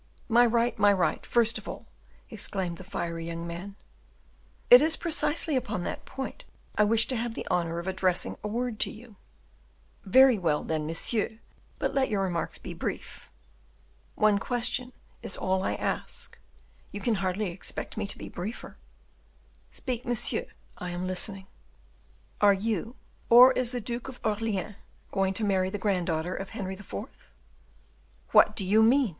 "My right, my right, first of all," exclaimed the fiery young man. "It is precisely upon that point I wish to have the honor of addressing a word to you." "Very well, monsieur, but let your remarks be brief." "One question is all I ask; you can hardly expect me to be briefer." "Speak, monsieur, I am listening." "Are you, or is the Duke of Orleans, going to marry the granddaughter of Henry IV.?" "What do you mean?"